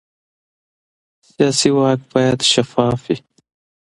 سیاسي واک باید شفاف وي